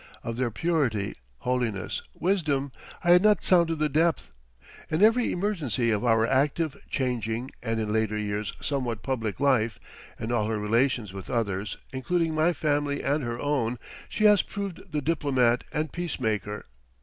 Of their purity, holiness, wisdom, I had not sounded the depth. In every emergency of our active, changing, and in later years somewhat public life, in all her relations with others, including my family and her own, she has proved the diplomat and peace maker.